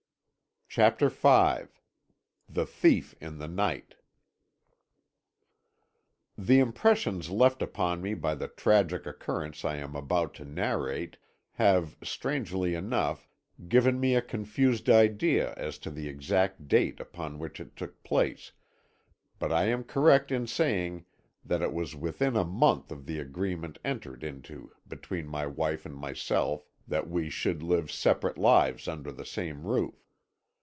CHAPTER V THE THIEF IN THE NIGHT "The impressions left upon me by the tragic occurrence I am about to narrate have, strangely enough, given me a confused idea as to the exact date upon which it took place, but I am correct in saying that it was within a month of the agreement entered into between my wife and myself that we should live separate lives under the same roof.